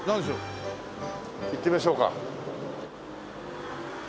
行ってみましょうか。